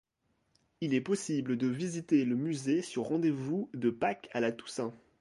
Il est possible de visiter le musée sur rendez-vous de Pâques à la Toussaint.